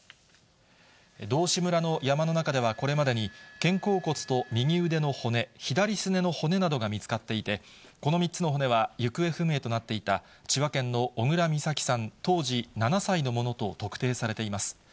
道志村の山の中ではこれまでに、肩甲骨と右腕の骨、左すねの骨などが見つかっていて、この３つの骨は、行方不明となっていた千葉県の小倉美咲さん当時７歳のものと特定されています。